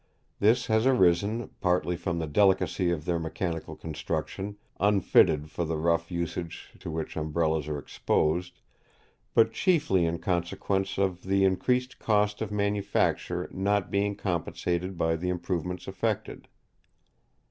This has arisen, partly from the delicacy of their mechanical construction, unfitted for the rough usage to which Umbrellas are exposed; but chiefly in consequence of the increased cost of manufacture not being compensated by the improvements effected.